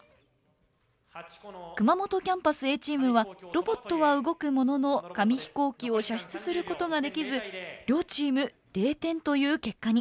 熊本キャンパスＡチームはロボットは動くものの紙飛行機を射出することができず両チーム０点という結果に。